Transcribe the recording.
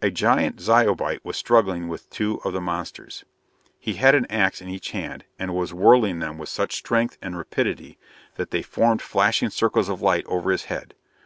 A giant Zyobite was struggling with two of the monsters. He had an ax in each hand, and was whirling them with such strength and rapidity that they formed flashing circles of light over his head.